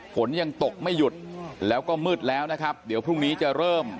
ฝนยังตกไม่หยุดแล้วก็มืดแล้วนะครับเดี๋ยวพรุ่งนี้จะเริ่ม